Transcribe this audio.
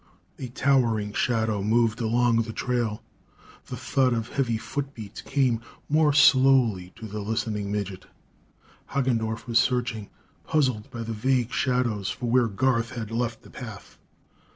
A towering shadow moved along the trail. The thud of heavy footbeats came more slowly to the listening midget. Hagendorff was searching, puzzled by the vague shadows, for where Garth had left the path.